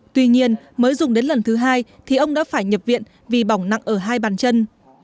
tuy nhiên mới dùng đến lần thứ hai thì ông đã phải nhập viện vì bỏng nặng ở hai bàn chân